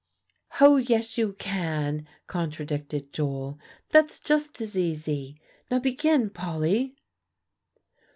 "Hoh! yes you can," contradicted Joel; "that's just as easy. Now begin, Polly."